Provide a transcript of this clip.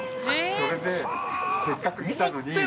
それでせっかく来たのに。